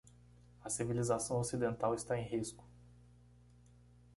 A civilização ocidental está em risco